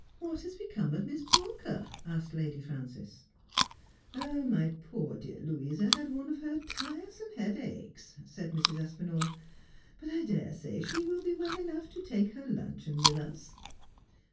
' What has become of Miss Pawker 1 ' asked Lady Frances. 'My poor dear Louisa had one of her tiresome headaches,' said Mrs. Aspinall, ' but I dare say she will be well enough to take her luncheon with us.'